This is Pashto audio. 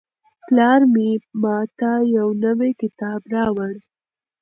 پلار مې ماته یو نوی کتاب راوړ.